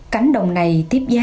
cánh đồng này tiếp giai đoạn